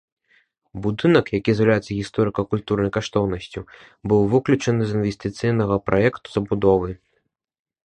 Будынак, які з'яўляецца гісторыка-культурнай каштоўнасцю, быў выключаны з інвестыцыйнага праекту забудовы.